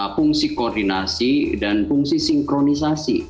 fungsi koordinasi dan fungsi sinkronisasi